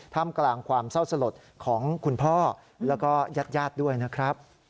กลางความเศร้าสลดของคุณพ่อแล้วก็ญาติญาติด้วยนะครับ